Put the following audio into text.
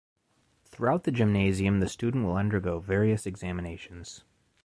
Throughout the gymnasium the student will undergo various examinations.